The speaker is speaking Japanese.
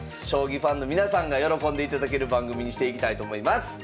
将棋ファンの皆さんが喜んでいただける番組にしていきたいと思います！